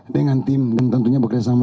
dengan tim dan tentunya bekerja sama